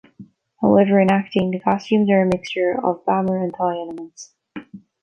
However, in acting, the costumes are a mixture of Bamar and Thai elements.